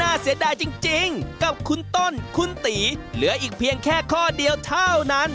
เสียดายจริงกับคุณต้นคุณตีเหลืออีกเพียงแค่ข้อเดียวเท่านั้น